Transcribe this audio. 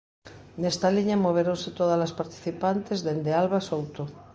Nesta liña movéronse todas as participantes, dende Alba Souto.